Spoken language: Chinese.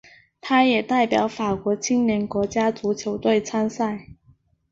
他也代表法国青年国家足球队参赛。